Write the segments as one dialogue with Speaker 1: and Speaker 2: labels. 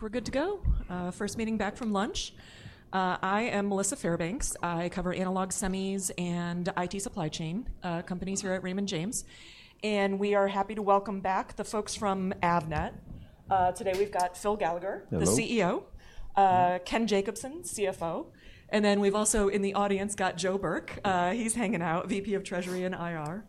Speaker 1: I think we're good to go. First meeting back from lunch. I am Melissa Fairbanks. I cover analog semis and IT supply chain companies here at Raymond James. And we are happy to welcome back the folks from Avnet. Today we've got Phil Gallagher, the CEO, Ken Jacobson, CFO, and then we've also in the audience got Joe Burke. He's hanging out, VP of Treasury and IR.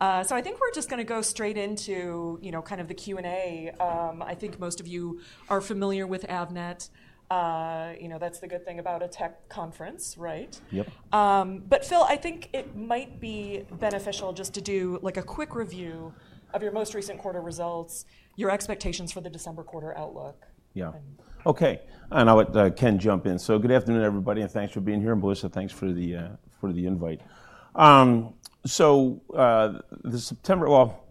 Speaker 1: So I think we're just going to go straight into kind of the Q&A. I think most of you are familiar with Avnet. That's the good thing about a tech conference, right?
Speaker 2: Yep.
Speaker 1: But Phil, I think it might be beneficial just to do a quick review of your most recent quarter results, your expectations for the December quarter outlook.
Speaker 2: Yeah. OK. And I'll let Ken jump in. So good afternoon, everybody, and thanks for being here. And Melissa, thanks for the invite. So the September, well,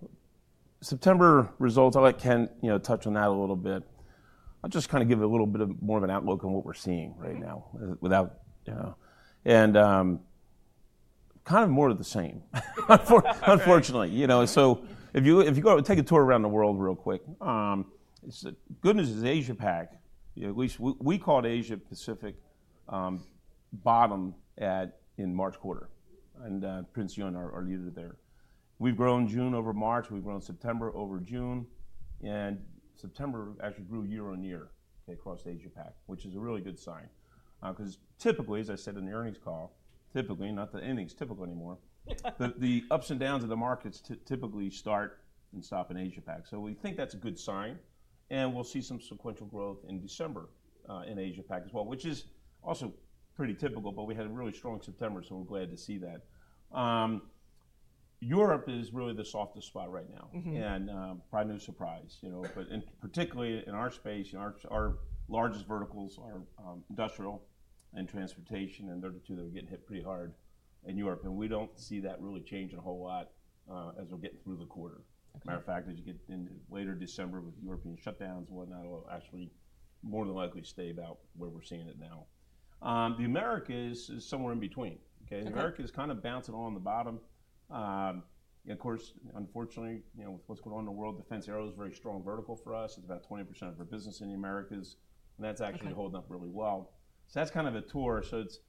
Speaker 2: September results, I'll let Ken touch on that a little bit. I'll just kind of give a little bit more of an outlook on what we're seeing right now without and kind of more of the same, unfortunately. So if you go take a tour around the world real quick, the good news Asia Pac. At least we called Asia Pacific bottom in March quarter. And Prince Yun, our leaders there. We've grown June over March. We've grown September over June. And September actually grew year-on-year Asia Pac, which is a really good sign. Because typically, as I said in the earnings call, typically, not the earnings typical anymore, the ups and downs of the markets typically start and stop Asia Pac. So we think that's a good sign. And we'll see some sequential growth in December Asia Pac as well, which is also pretty typical. But we had a really strong September, so we're glad to see that. Europe is really the softest spot right now, and probably no surprise. But particularly in our space, our largest verticals are industrial and transportation, and those two are getting hit pretty hard in Europe. And we don't see that really changing a whole lot as we're getting through the quarter. Matter of fact, as you get into later December with European shutdowns and whatnot, it will actually more than likely stay about where we're seeing it now. The Americas is somewhere in between. Americas is kind of bouncing on the bottom, and of course, unfortunately, with what's going on in the world, defense, aero is a very strong vertical for us. It's about 20% of our business in the Americas, and that's actually holding up really well, so that's kind of a tour, so it's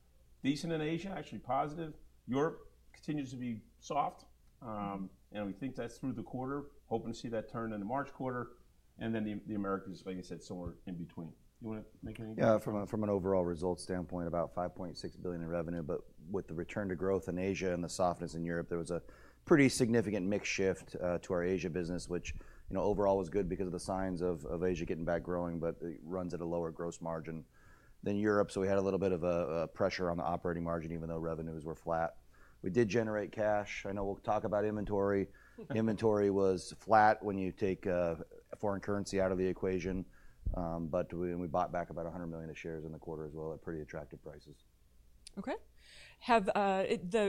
Speaker 2: decent in Asia, actually positive. Europe continues to be soft, and we think that's through the quarter, hoping to see that turn in the March quarter, and then the Americas, like I said, somewhere in between. Do you want to make any comments?
Speaker 3: Yeah. From an overall results standpoint, about $5.6 billion in revenue. But with the return to growth in Asia and the softness in Europe, there was a pretty significant mix shift to our Asia business, which overall was good because of the signs of Asia getting back growing. But it runs at a lower gross margin than Europe. So we had a little bit of pressure on the operating margin, even though revenues were flat. We did generate cash. I know we'll talk about inventory. Inventory was flat when you take foreign currency out of the equation. But we bought back about 100 million shares in the quarter as well at pretty attractive prices.
Speaker 1: OK. Have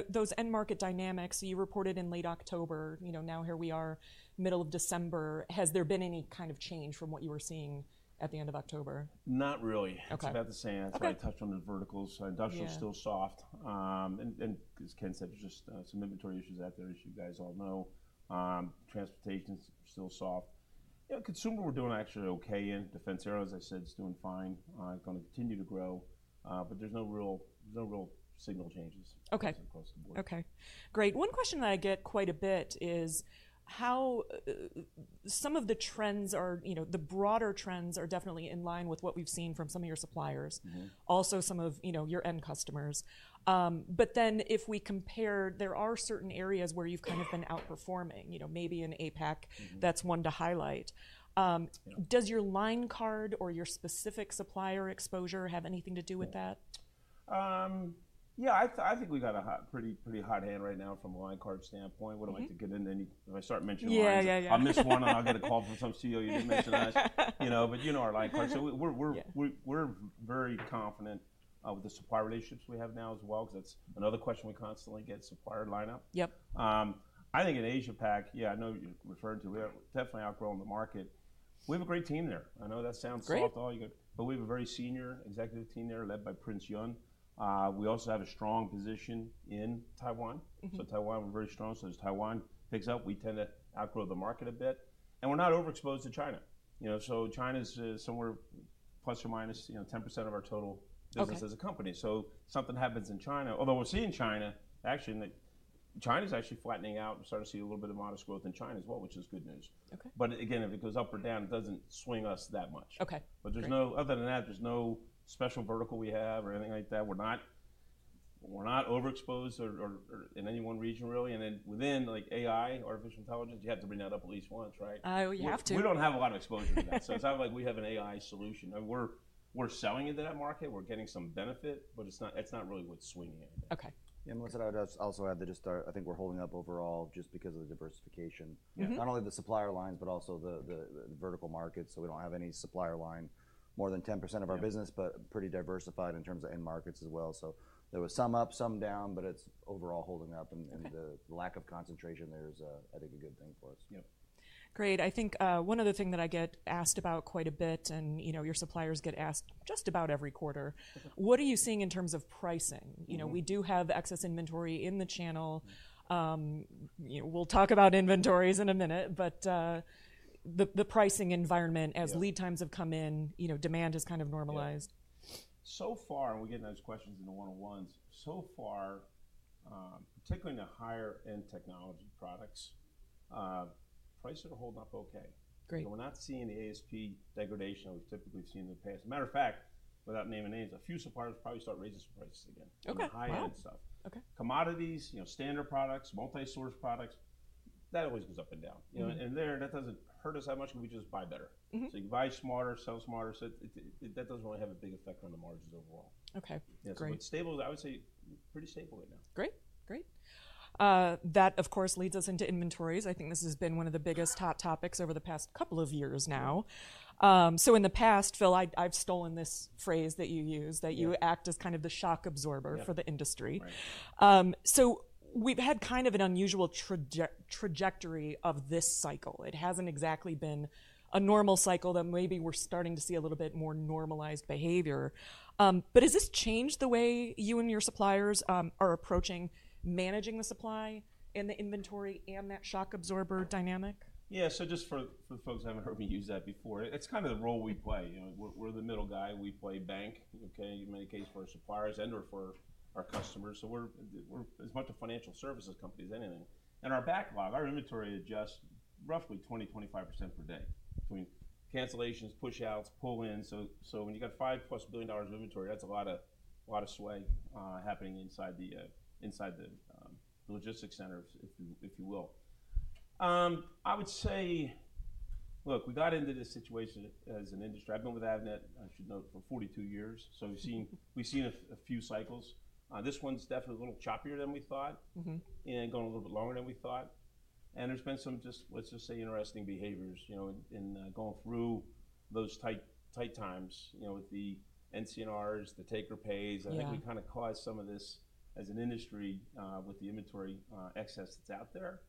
Speaker 1: those end market dynamics you reported in late October, now here we are, middle of December, has there been any kind of change from what you were seeing at the end of October?
Speaker 2: Not really. It's about the same. That's why I touched on the verticals. Industrial is still soft. And as Ken said, there's just some inventory issues out there, as you guys all know. Transportation is still soft. Consumer, we're doing actually OK in. defense, aero, as I said, is doing fine. It's going to continue to grow. But there's no real signal changes across the board.
Speaker 1: OK. Great. One question that I get quite a bit is how some of the trends are, the broader trends are definitely in line with what we've seen from some of your suppliers, also some of your end customers. But then if we compare, there are certain areas where you've kind of been outperforming, maybe in APAC, that's one to highlight. Does your line card or your specific supplier exposure have anything to do with that?
Speaker 2: Yeah. I think we got a pretty hot hand right now from a line card standpoint. Wouldn't like to get into any if I start mentioning lines.
Speaker 1: Yeah, yeah, yeah.
Speaker 2: I'll miss one. I'll get a call from some CEO you didn't mention last, but you know our line card, so we're very confident with the supply relationships we have now as well. Because that's another question we constantly get, supplier lineup.
Speaker 1: Yep.
Speaker 2: I think Asia Pac, yeah. I know you referred to it. We're definitely outgrowing the market. We have a great team there. I know that sounds soft, I get it. But we have a very senior executive team there led by Prince Yun. We also have a strong position in Taiwan. So Taiwan, we're very strong. So as Taiwan picks up, we tend to outgrow the market a bit. And we're not overexposed to China. So China is somewhere plus or minus 10% of our total business as a company. So if something happens in China, although we're seeing China, actually, China is actually flattening out. We're starting to see a little bit of modest growth in China as well, which is good news. But again, if it goes up or down, it doesn't swing us that much. But other than that, there's no special vertical we have or anything like that. We're not overexposed in any one region, really. And then within AI, artificial intelligence, you have to bring that up at least once, right?
Speaker 1: Oh, you have to.
Speaker 2: We don't have a lot of exposure to that. So it's not like we have an AI solution. We're selling into that market. We're getting some benefit. But it's not really what's swinging anything.
Speaker 3: Melissa, I would also add that just I think we're holding up overall just because of the diversification. Not only the supplier lines, but also the vertical markets. So we don't have any supplier line more than 10% of our business, but pretty diversified in terms of end markets as well. So there was some up, some down. But it's overall holding up. And the lack of concentration, there's, I think, a good thing for us.
Speaker 1: Yep. Great. I think one other thing that I get asked about quite a bit, and your suppliers get asked just about every quarter, what are you seeing in terms of pricing? We do have excess inventory in the channel. We'll talk about inventories in a minute. But the pricing environment, as lead times have come in, demand has kind of normalized.
Speaker 2: So far, and we get those questions in the one-on-ones, so far, particularly in the higher-end technology products, prices are holding up OK.
Speaker 1: Great.
Speaker 2: We're not seeing the ASP degradation we've typically seen in the past. Matter of fact, without naming names, a few suppliers probably start raising some prices again, high-end stuff. Commodities, standard products, multi-source products, that always goes up and down. And there, that doesn't hurt us that much. We just buy better. So you buy smarter, sell smarter. So that doesn't really have a big effect on the margins overall.
Speaker 1: OK. Great.
Speaker 2: But stable, I would say, pretty stable right now.
Speaker 1: Great. Great. That, of course, leads us into inventories. I think this has been one of the biggest hot topics over the past couple of years now. So in the past, Phil, I've stolen this phrase that you use, that you act as kind of the shock absorber for the industry. So we've had kind of an unusual trajectory of this cycle. It hasn't exactly been a normal cycle. That maybe we're starting to see a little bit more normalized behavior. But has this changed the way you and your suppliers are approaching managing the supply and the inventory and that shock absorber dynamic?
Speaker 2: Yeah. So just for the folks that haven't heard me use that before, it's kind of the role we play. We're the middle guy. We play bank, in many cases, for our suppliers and/or for our customers. So we're as much a financial services company as anything. And our backlog, our inventory adjusts roughly 20%, 25% per day between cancellations, push-outs, pull-ins. So when you've got $5 plus billion of inventory, that's a lot of sway happening inside the logistics centers, if you will. I would say, look, we got into this situation as an industry. I've been with Avnet, I should note, for 42 years. So we've seen a few cycles. This one's definitely a little choppier than we thought and going a little bit longer than we thought. There's been some, just let's just say, interesting behaviors in going through those tight times with the NCNRs, the take-or-pays. I think we kind of caused some of this as an industry with the inventory excess that's out there.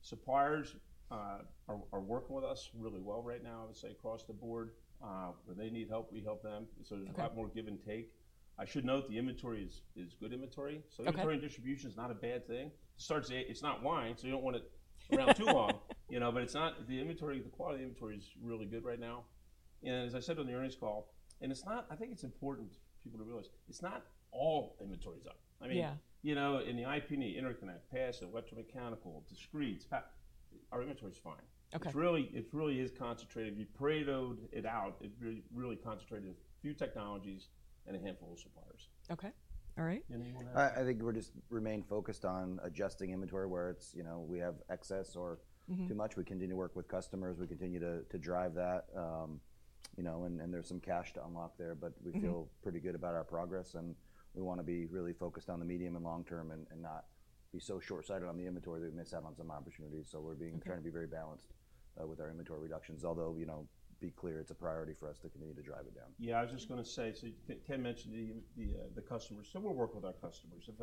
Speaker 2: Suppliers are working with us really well right now, I would say, across the board. When they need help, we help them. There's a lot more give and take. I should note the inventory is good inventory. Inventory and distribution is not a bad thing. It's not wine, so you don't want it around too long. The inventory, the quality of the inventory is really good right now. As I said on the earnings call, and it's not. I think it's important for people to realize, it's not all inventory up. I mean, in the IP&E, passive, electromechanical, discrete, our inventory is fine. It's really concentrated. We pre-drilled it out. It's really concentrated in a few technologies and a handful of suppliers.
Speaker 1: OK. All right.
Speaker 4: I think we just remain focused on adjusting inventory where we have excess or too much. We continue to work with customers. We continue to drive that, and there's some cash to unlock there. But we feel pretty good about our progress, and we want to be really focused on the medium and long term and not be so shortsighted on the inventory that we miss out on some opportunities, so we're trying to be very balanced with our inventory reductions. Although, be clear, it's a priority for us to continue to drive it down.
Speaker 2: Yeah. I was just going to say, so Ken mentioned the customers, so we'll work with our customers. If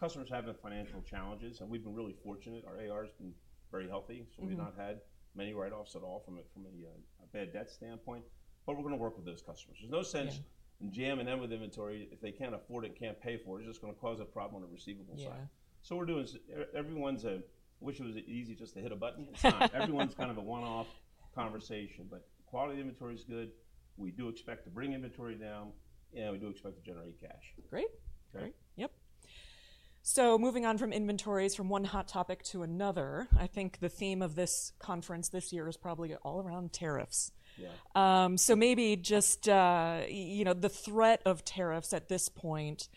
Speaker 2: customers have financial challenges, and we've been really fortunate, our AR has been very healthy, so we've not had many write-offs at all from a bad debt standpoint, but we're going to work with those customers. There's no sense in jamming them with inventory if they can't afford it, can't pay for it. It's just going to cause a problem on the receivable side, so we're doing everyone's a, wish it was easy just to hit a button. It's not. Everyone's kind of a one-off conversation, but quality of inventory is good. We do expect to bring inventory down, and we do expect to generate cash.
Speaker 1: Great. Yep. So moving on from inventories, from one hot topic to another, I think the theme of this conference this year is probably all around tariffs. So maybe just the threat of tariffs at this point,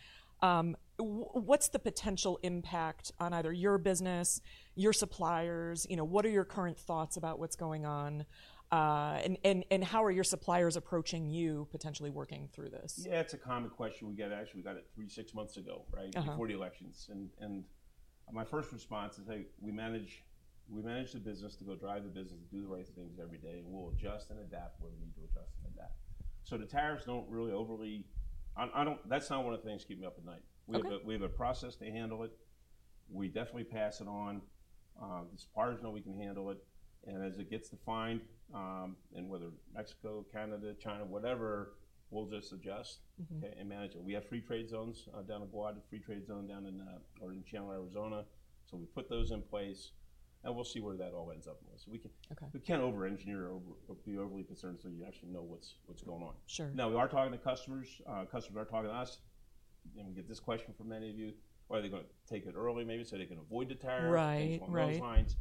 Speaker 1: what's the potential impact on either your business, your suppliers? What are your current thoughts about what's going on? And how are your suppliers approaching you potentially working through this?
Speaker 2: Yeah. It's a common question we get. Actually, we got it three, six months ago, right, before the elections. My first response is, hey, we manage the business to go drive the business, do the right things every day. And we'll adjust and adapt where we need to adjust and adapt. So the tariffs don't really overly that's not one of the things that keep me up at night. We have a process to handle it. We definitely pass it on. The suppliers know we can handle it. And as it gets defined, and whether Mexico, Canada, China, whatever, we'll just adjust and manage it. We have free trade zones down in Guadalajara, free trade zone down in Chandler, Arizona. So we put those in place. And we'll see where that all ends up. So we can't over-engineer or be overly concerned so you actually know what's going on.
Speaker 1: Sure.
Speaker 2: Now, we are talking to customers. Customers are talking to us. And we get this question from many of you. Are they going to take it early, maybe, so they can avoid the tariffs?
Speaker 1: Right. Right.
Speaker 2: They just want more fines.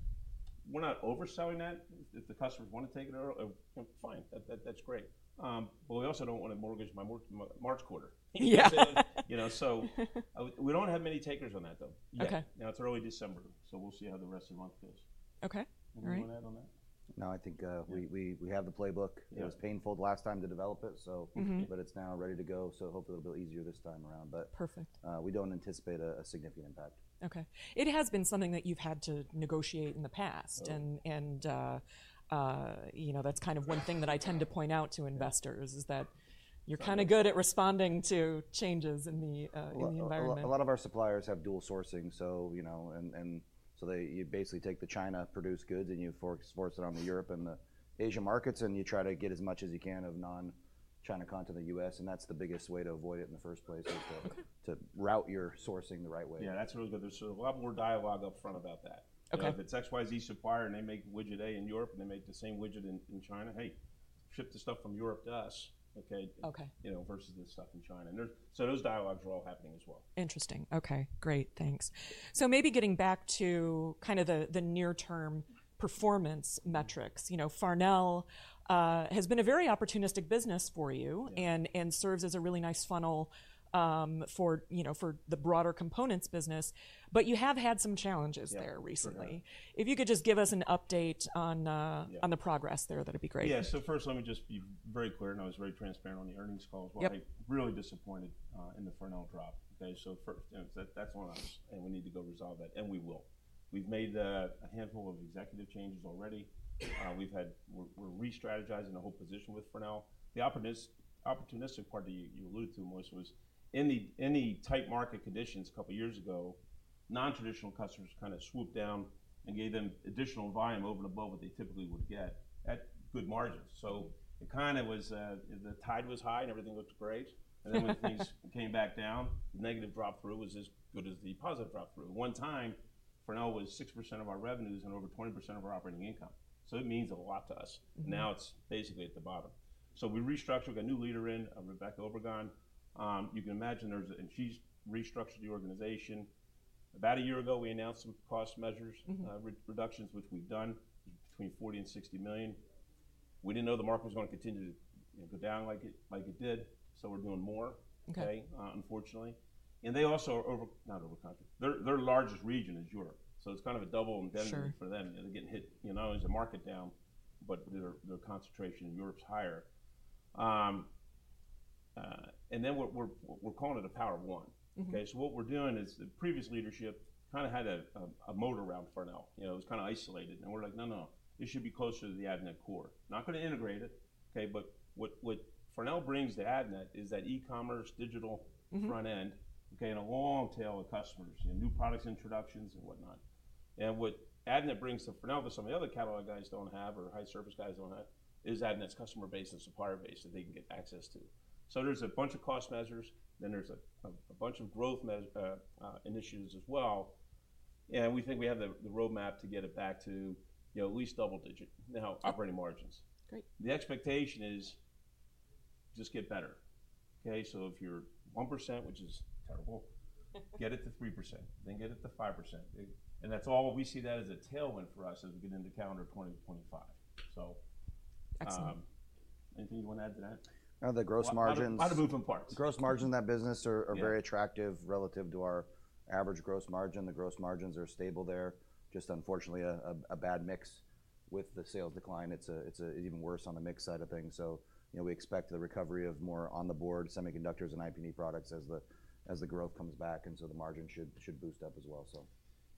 Speaker 2: We're not overselling that. If the customers want to take it early, fine. That's great. But we also don't want to mortgage my March quarter.
Speaker 1: Yeah.
Speaker 2: So we don't have many takers on that, though.
Speaker 1: OK.
Speaker 2: Now, it's early December, so we'll see how the rest of the month goes.
Speaker 1: OK. All right.
Speaker 2: Anyone add on that?
Speaker 3: No. I think we have the playbook. It was painful the last time to develop it. But it's now ready to go. So hopefully, it'll be a little easier this time around.
Speaker 1: Perfect.
Speaker 3: But we don't anticipate a significant impact.
Speaker 1: OK. It has been something that you've had to negotiate in the past. And that's kind of one thing that I tend to point out to investors, is that you're kind of good at responding to changes in the environment.
Speaker 3: A lot of our suppliers have dual sourcing. And so you basically take the China-produced goods, and you force it on the Europe and the Asia markets. And you try to get as much as you can of non-China content in the U.S. And that's the biggest way to avoid it in the first place, is to route your sourcing the right way.
Speaker 2: Yeah. That's really good. There's a lot more dialogue up front about that. If it's XYZ supplier, and they make widget A in Europe, and they make the same widget in China, hey, ship the stuff from Europe to us, OK, versus the stuff in China. So those dialogues are all happening as well.
Speaker 1: Interesting. OK. Great. Thanks. So maybe getting back to kind of the near-term performance metrics. Farnell has been a very opportunistic business for you and serves as a really nice funnel for the broader components business. But you have had some challenges there recently. If you could just give us an update on the progress there, that'd be great.
Speaker 2: Yeah. So first, let me just be very clear, and I was very transparent on the earnings call as well. I'm really disappointed in the Farnell drop, so that's one of those. And we need to go resolve that, and we will. We've made a handful of executive changes already. We're restrategizing the whole position with Farnell. The opportunistic part that you alluded to, Melissa, was in the tight market conditions a couple of years ago, nontraditional customers kind of swooped down and gave them additional volume over and above what they typically would get at good margins. So it kind of was the tide was high, and everything looked great, and then when things came back down, the negative drop-through was as good as the positive drop-through. At one time, Farnell was 6% of our revenues and over 20% of our operating income. So it means a lot to us. Now, it's basically at the bottom. So we restructured. We got a new leader in, Rebeca Obregon. You can imagine there's, and she's restructured the organization. About a year ago, we announced some cost measures reductions, which we've done, between $40 million and $60 million. We didn't know the market was going to continue to go down like it did. So we're doing more, unfortunately. And they also are not overconcentrated. Their largest region is Europe. So it's kind of a double indemnity for them. They're getting hit. Not only is the market down, but their concentration in Europe's higher. And then we're calling it a Power of One. So what we're doing is the previous leadership kind of had a moat around Farnell. It was kind of isolated. And we're like, no, no, no. This should be closer to the Avnet core. Not going to integrate it, but what Farnell brings to Avnet is that e-commerce, digital front end, and a long tail of customers, new product introductions, and whatnot, and what Avnet brings to Farnell, that some of the other catalog guys don't have or high-service guys don't have, is Avnet's customer base and supplier base that they can get access to, so there's a bunch of cost measures, then there's a bunch of growth initiatives as well, and we think we have the roadmap to get it back to at least double-digit now operating margins.
Speaker 1: Great.
Speaker 2: The expectation is just get better. So if you're 1%, which is terrible, get it to 3%. Then get it to 5%. And that's all we see that as a tailwind for us as we get into calendar 2025.
Speaker 1: Excellent.
Speaker 2: Anything you want to add to that?
Speaker 3: Now, the gross margins.
Speaker 2: A lot of moving parts.
Speaker 3: Gross margins in that business are very attractive relative to our average gross margin. The gross margins are stable there, just unfortunately a bad mix with the sales decline. It's even worse on the mix side of things. So we expect the recovery of more on-the-board semiconductors and IP&E products as the growth comes back. And so the margin should boost up as well.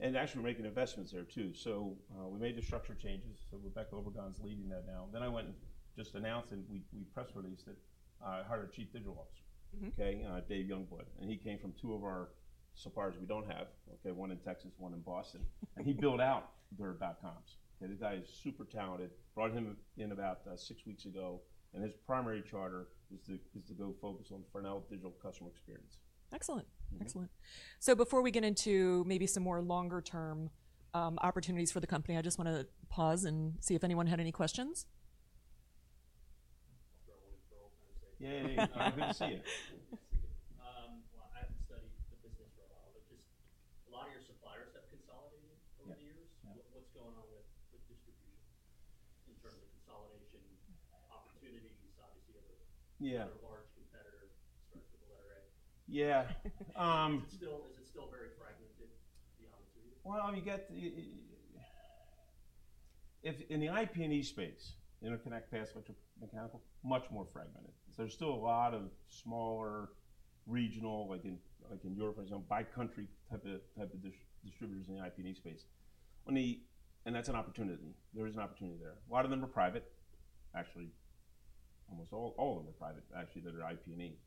Speaker 2: And actually, we're making investments there, too. So we made the structure changes. So Rebeca Obregon's leading that now. Then I went and just announced, and we press released it, our Chief Digital Officer, Dave Youngblood. And he came from two of our suppliers we don't have, one in Texas, one in Boston. And he built out their dot-coms. This guy is super talented. Brought him in about six weeks ago. And his primary charter is to go focus on Farnell Digital Customer Experience.
Speaker 1: Excellent. Excellent. So before we get into maybe some more longer-term opportunities for the company, I just want to pause and see if anyone had any questions.
Speaker 5: Yeah. Good to see you. Well, I haven't studied the business for a while. But just a lot of your suppliers have consolidated over the years. What's going on with distribution in terms of consolidation opportunities? Obviously, you have a large competitor, starting with the letter A.
Speaker 2: Yeah.
Speaker 5: Is it still very fragmented, the opportunity?
Speaker 2: You get IP&E space, interconnect, passives, electromechanical, much more fragmented. So there's still a lot of smaller regional, like in Europe, for example, by country type of distributors IP&E space. And that's an opportunity. There is an opportunity there. A lot of them are private. Actually, almost all of them are private, actually, IP&E.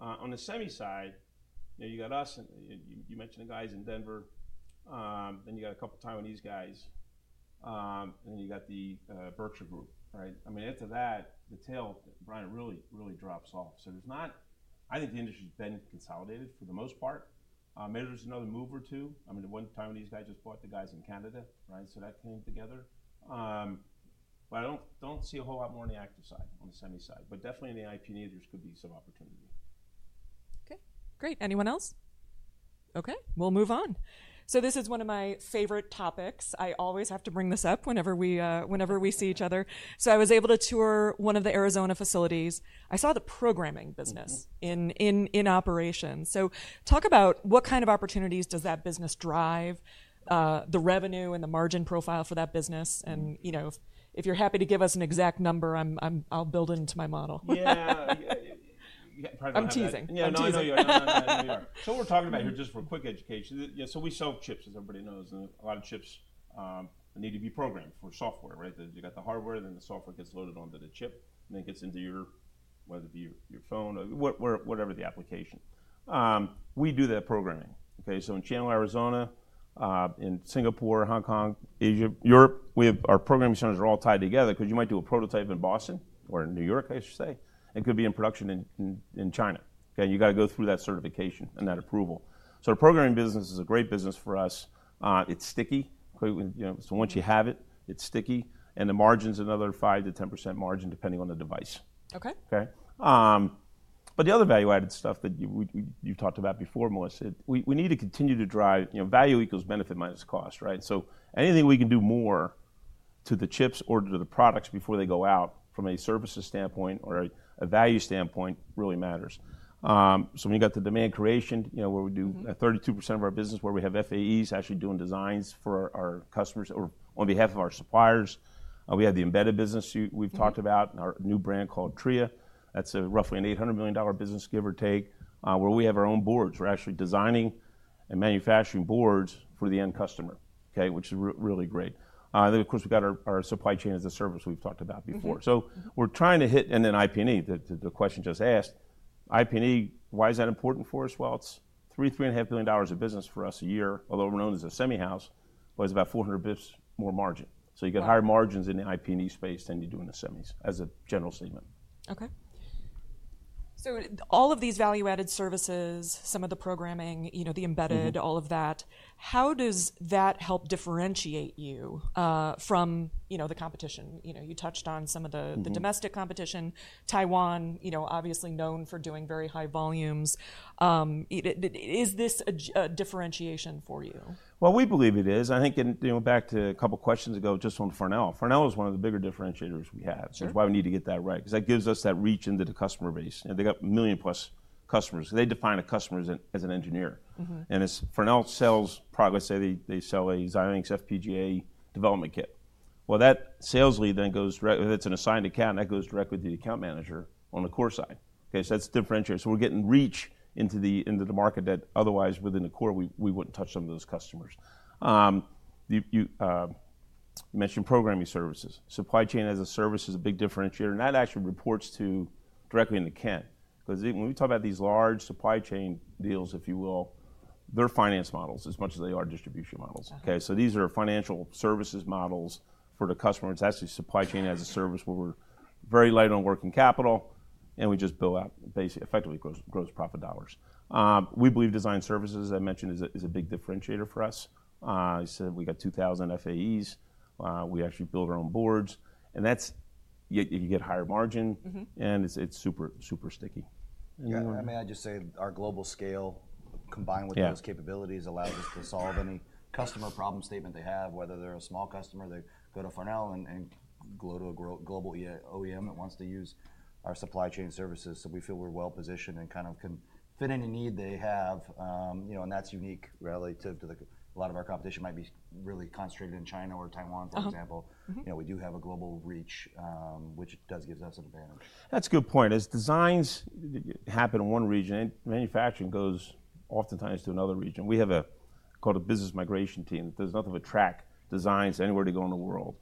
Speaker 2: On the semi side, you got us. You mentioned the guys in Denver. Then you got a couple of Taiwanese guys. And then you got the Berkshire Group. I mean, after that, the tail, Brian, really, really drops off. So I think the industry has been consolidated for the most part. Maybe there's another move or two. I mean, one Taiwanese guy just bought the guys in Canada. So that came together. But I don't see a whole lot more on the active side, on the semi side. But definitely IP&E, there could be some opportunity.
Speaker 1: OK. Great. Anyone else? OK. We'll move on. So this is one of my favorite topics. I always have to bring this up whenever we see each other. So I was able to tour one of the Arizona facilities. I saw the programming business in operation. So talk about what kind of opportunities does that business drive, the revenue and the margin profile for that business. And if you're happy to give us an exact number, I'll build into my model.
Speaker 2: Yeah.
Speaker 1: I'm teasing.
Speaker 2: So what we're talking about here, just for quick education, so we sell chips, as everybody knows. And a lot of chips need to be programmed for software. You got the hardware, then the software gets loaded onto the chip. And it gets into your, whether it be your phone, whatever the application. We do that programming. So in Chandler, Arizona, in Singapore, Hong Kong, Asia, Europe, our programming centers are all tied together. Because you might do a prototype in Boston or in New York, I should say. It could be in production in China. You got to go through that certification and that approval. So the programming business is a great business for us. It's sticky. So once you have it, it's sticky. And the margin's another 5%-10% margin, depending on the device.
Speaker 1: OK.
Speaker 2: But the other value-added stuff that you talked about before, Melissa, we need to continue to drive value equals benefit minus cost. So anything we can do more to the chips or to the products before they go out, from a services standpoint or a value standpoint, really matters. So when you got the demand creation, where we do 32% of our business, where we have FAEs actually doing designs for our customers or on behalf of our suppliers. We have the embedded business we've talked about, our new brand called Tria. That's roughly an $800 million business, give or take, where we have our own boards. We're actually designing and manufacturing boards for the end customer, which is really great. Then, of course, we've got our Supply Chain as a Service we've talked about before. So we're trying to hit, IP&E, the question IP&E, why is that important for us? Well, it's $3-$3.5 billion of business for us a year. Although we're known as a semi house, it was about $400 million more margin. So you get higher margins IP&E space than you do in the semis, as a general statement.
Speaker 1: OK, so all of these value-added services, some of the programming, the embedded, all of that, how does that help differentiate you from the competition? You touched on some of the domestic competition. Taiwan, obviously known for doing very high volumes. Is this a differentiation for you?
Speaker 2: We believe it is. I think back to a couple of questions ago, just on Farnell. Farnell is one of the bigger differentiators we have. That's why we need to get that right. Because that gives us that reach into the customer base. They got a million plus customers. They define a customer as an engineer. And as Farnell sells products, they sell a Xilinx FPGA development kit. That sales lead then goes directly, if it's an assigned account, that goes directly to the account manager on the core side. That's differentiating. We're getting reach into the market that otherwise, within the core, we wouldn't touch some of those customers. You mentioned programming services. Supply Chain as a Service is a big differentiator. And that actually reports directly into Ken. Because when we talk about these large supply chain deals, if you will, they're finance models as much as they are distribution models. So these are financial services models for the customer. It's actually Supply Chain as a Service where we're very light on working capital. And we just bill out, effectively, gross profit dollars. We believe design services, as I mentioned, is a big differentiator for us. We got 2,000 FAEs. We actually build our own boards. And that's you get higher margin. And it's super, super sticky.
Speaker 3: Yeah. I mean, I just say our global scale, combined with those capabilities, allows us to solve any customer problem statement they have. Whether they're a small customer, they go to Farnell and go to a global OEM that wants to use our supply chain services. So we feel we're well positioned and kind of can fit any need they have. And that's unique relative to a lot of our competition might be really concentrated in China or Taiwan, for example. We do have a global reach, which does give us an advantage.
Speaker 2: That's a good point. As designs happen in one region, manufacturing goes oftentimes to another region. We have a business migration team. There's nothing we can't track designs anywhere they go in the world.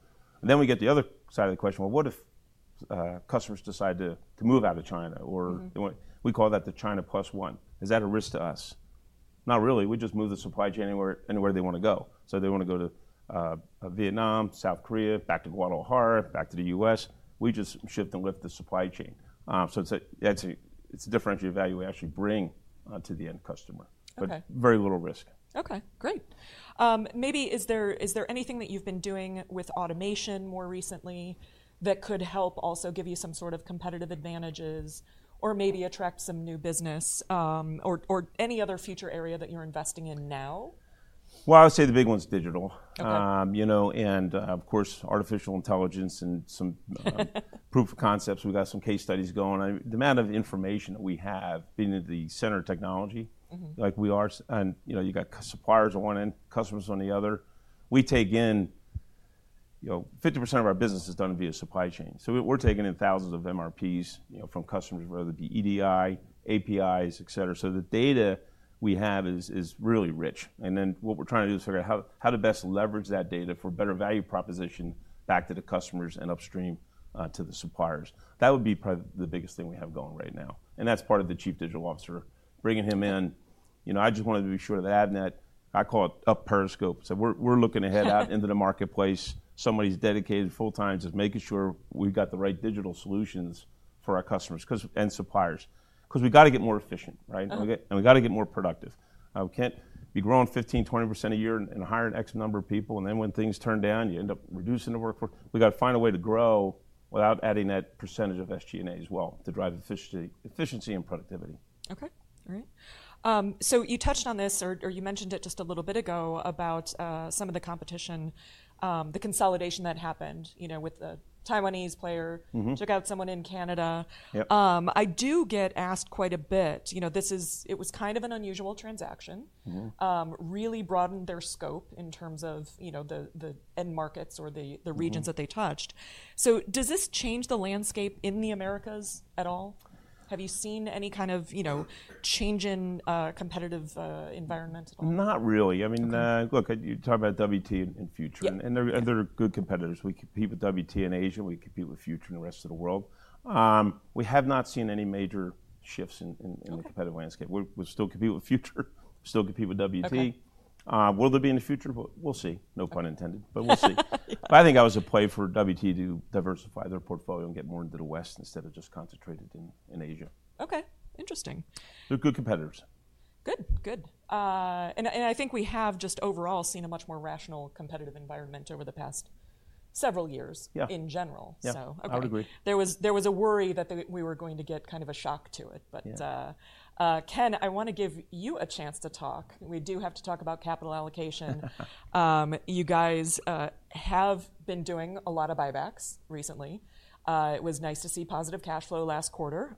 Speaker 2: Then we get the other side of the question. Well, what if customers decide to move out of China? Or we call that the China Plus One. Is that a risk to us? Not really. We just move the supply chain anywhere they want to go. So they want to go to Vietnam, South Korea, back to Guadalajara, back to the U.S. We just lift and shift the supply chain. So it's a differentiated value we actually bring to the end customer. But very little risk.
Speaker 1: OK. Great. Maybe, is there anything that you've been doing with automation more recently that could help also give you some sort of competitive advantages or maybe attract some new business or any other future area that you're investing in now?
Speaker 2: I would say the big one's digital. Of course, artificial intelligence and some proof of concepts. We've got some case studies going. The amount of information that we have being at the center of technology, like we are, and you got suppliers on one end, customers on the other. We take in 50% of our business is done via supply chain. So we're taking in thousands of MRPs from customers, whether it be EDI, APIs, et cetera. So the data we have is really rich. Then what we're trying to do is figure out how to best leverage that data for better value proposition back to the customers and upstream to the suppliers. That would be probably the biggest thing we have going right now. That's part of the Chief Digital Officer, bringing him in. I just wanted to be sure that at Avnet, I call it up periscope, so we're looking ahead out into the marketplace. Somebody's dedicated full time just making sure we've got the right digital solutions for our customers and suppliers. Because we've got to get more efficient and we've got to get more productive. We can't be growing 15%-20% a year and hire an X number of people, and then when things turn down, you end up reducing the workforce. We've got to find a way to grow without adding that percentage of SG&A as well to drive efficiency and productivity.
Speaker 1: Okay. All right. So you touched on this, or you mentioned it just a little bit ago, about some of the competition, the consolidation that happened with the Taiwanese player, took out someone in Canada. I do get asked quite a bit, this was kind of an unusual transaction, really broadened their scope in terms of the end markets or the regions that they touched. So does this change the landscape in the Americas at all? Have you seen any kind of change in competitive environment?
Speaker 2: Not really. I mean, look, you're talking about WT and Future. And they're good competitors. We compete with WT in Asia. We compete with Future in the rest of the world. We have not seen any major shifts in the competitive landscape. We're still competing with Future. We're still competing with WT. Will there be in the future? We'll see. No pun intended. But we'll see. But I think that was a play for WT to diversify their portfolio and get more into the West instead of just concentrated in Asia.
Speaker 1: OK. Interesting.
Speaker 2: They're good competitors.
Speaker 1: Good. Good. And I think we have just overall seen a much more rational competitive environment over the past several years in general.
Speaker 2: Yeah. I would agree.
Speaker 1: There was a worry that we were going to get kind of a shock to it. But Ken, I want to give you a chance to talk. We do have to talk about capital allocation. You guys have been doing a lot of buybacks recently. It was nice to see positive cash flow last quarter.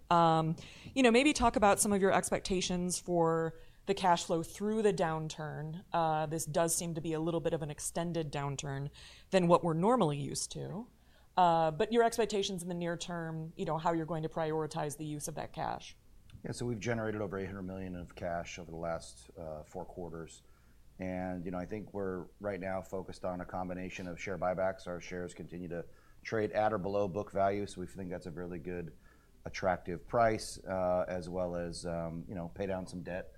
Speaker 1: Maybe talk about some of your expectations for the cash flow through the downturn. This does seem to be a little bit of an extended downturn than what we're normally used to. But your expectations in the near term, how you're going to prioritize the use of that cash?
Speaker 4: Yeah. So we've generated over $800 million of cash over the last four quarters. And I think we're right now focused on a combination of share buybacks. Our shares continue to trade at or below book value. So we think that's a really good, attractive price, as well as pay down some debt.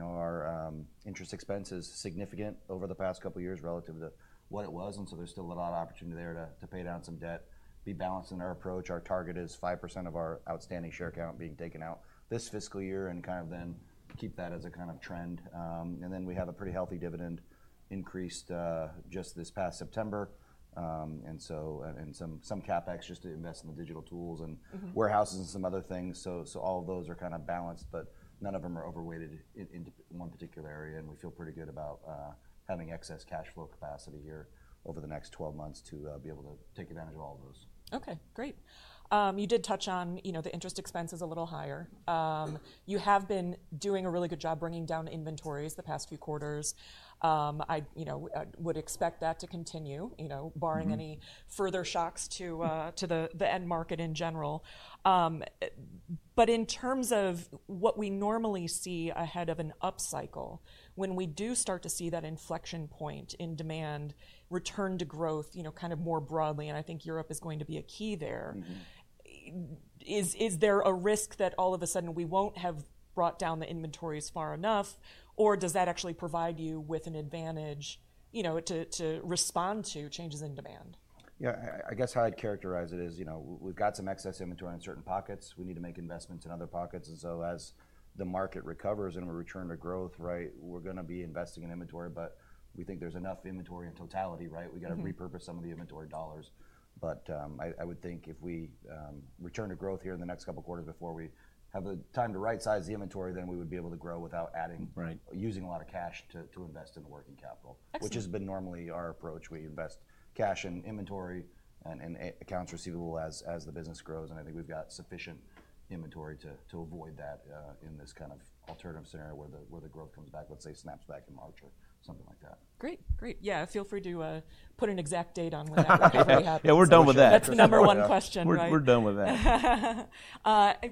Speaker 4: Our interest expense is significant over the past couple of years relative to what it was. And so there's still a lot of opportunity there to pay down some debt, be balanced in our approach. Our target is 5% of our outstanding share count being taken out this fiscal year and kind of then keep that as a kind of trend. And then we have a pretty healthy dividend increased just this past September. And some CapEx just to invest in the digital tools and warehouses and some other things. All of those are kind of balanced. But none of them are overweighted into one particular area. We feel pretty good about having excess cash flow capacity here over the next 12 months to be able to take advantage of all of those.
Speaker 1: OK. Great. You did touch on the interest expense is a little higher. You have been doing a really good job bringing down inventories the past few quarters. I would expect that to continue, barring any further shocks to the end market in general. But in terms of what we normally see ahead of an upcycle, when we do start to see that inflection point in demand, return to growth kind of more broadly, and I think Europe is going to be a key there, is there a risk that all of a sudden we won't have brought down the inventory as far enough? Or does that actually provide you with an advantage to respond to changes in demand?
Speaker 3: Yeah. I guess how I'd characterize it is we've got some excess inventory in certain pockets. We need to make investments in other pockets. And so as the market recovers and we return to growth, we're going to be investing in inventory. But we think there's enough inventory in totality. We've got to repurpose some of the inventory dollars. But I would think if we return to growth here in the next couple of quarters before we have the time to right size the inventory, then we would be able to grow without using a lot of cash to invest in the working capital, which has been normally our approach. We invest cash in inventory and accounts receivable as the business grows. I think we've got sufficient inventory to avoid that in this kind of alternative scenario where the growth comes back, let's say snaps back in March or something like that.
Speaker 1: Great. Great. Yeah. Feel free to put an exact date on when that will happen.
Speaker 2: Yeah. We're done with that.
Speaker 1: That's the number one question.
Speaker 2: We're done with that.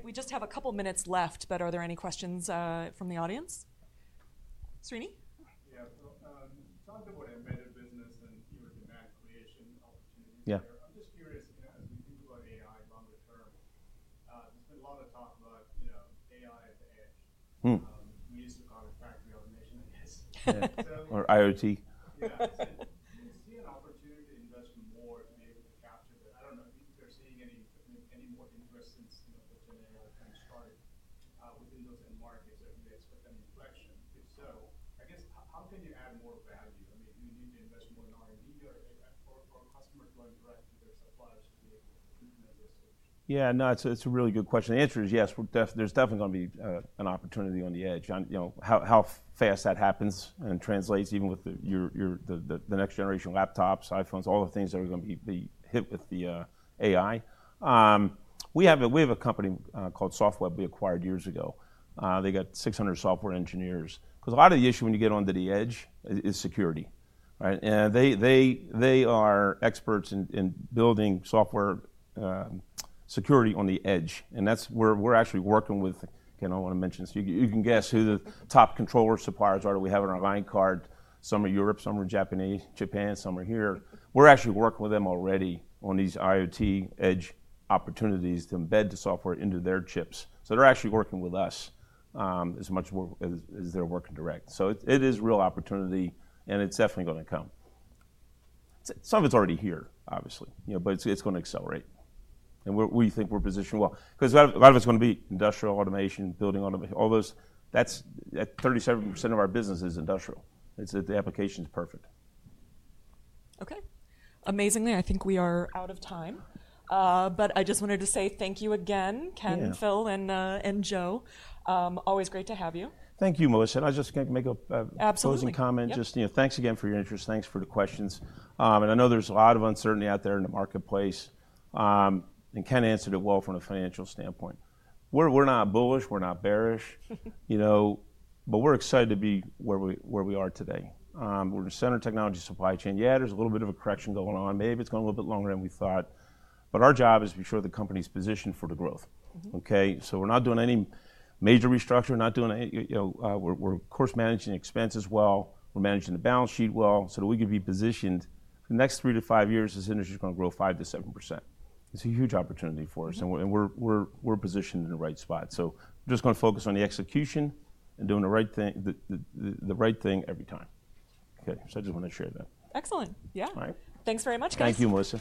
Speaker 1: We just have a couple of minutes left. But are there any questions from the audience? Srini?
Speaker 5: Yeah. So you
Speaker 2: Yeah. No. It's a really good question. The answer is yes. There's definitely going to be an opportunity on the edge. How fast that happens and translates, even with the next generation laptops, iPhones, all the things that are going to be hit with the AI. We have a company called Softweb we acquired years ago. They got 600 software engineers. Because a lot of the issue when you get onto the edge is security, and they are experts in building software security on the edge, and that's where we're actually working with, I want to mention, so you can guess who the top controller suppliers are. We have it on our line card. Some are Europe. Some are Japan. Some are here. We're actually working with them already on these IoT edge opportunities to embed the software into their chips. So they're actually working with us as much as they're working direct. So it is a real opportunity. And it's definitely going to come. Some of it's already here, obviously. But it's going to accelerate. And we think we're positioned well. Because a lot of it's going to be industrial automation, building automation. All those, that's 37% of our business is industrial. It's that the application is perfect.
Speaker 1: OK. Amazingly, I think we are out of time. But I just wanted to say thank you again, Ken, Phil, and Joe. Always great to have you.
Speaker 2: Thank you, Melissa, and I just can make a closing comment.
Speaker 1: Absolutely.
Speaker 2: Just thanks again for your interest. Thanks for the questions. I know there's a lot of uncertainty out there in the marketplace. Ken answered it well from a financial standpoint. We're not bullish. We're not bearish. But we're excited to be where we are today. We're in the center of technology supply chain. Yeah, there's a little bit of a correction going on. Maybe it's going a little bit longer than we thought. But our job is to be sure the company's positioned for the growth. We're not doing any major restructure. We're not doing any, we're of course managing expenses well. We're managing the balance sheet well. So that we could be positioned for the next three to five years, this industry is going to grow 5%-7%. It's a huge opportunity for us. We're positioned in the right spot. So we're just going to focus on the execution and doing the right thing every time. So I just want to share that.
Speaker 1: Excellent. Yeah. Thanks very much, guys.
Speaker 2: Thank you, Melissa.